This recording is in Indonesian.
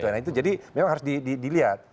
nah itu jadi memang harus dilihat